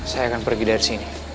saya akan pergi dari sini